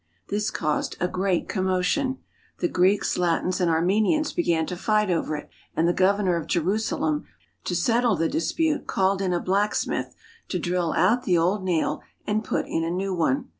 This caused a great commotion. The Greeks, Latins, and Armenians began to fight over it, and the governor of Jerusalem, to settle the dispute, called in a blacksmith to drill out the old nail and put in a new one.